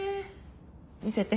見せて。